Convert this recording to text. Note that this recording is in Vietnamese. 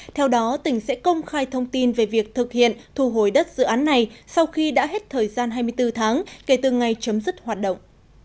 theo đó tỉnh sẽ công khai thông tin về việc thực hiện thu hồi đất dự án này sau khi đã hết thời gian hai mươi bốn tháng kể từ ngày chấm dứt hoạt động